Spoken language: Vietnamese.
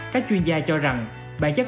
các chuyên gia cho rằng bản chất